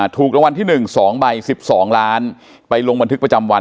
ถูกรางวัลที่๑๒ใบ๑๒ล้านไปลงบันทึกประจำวัน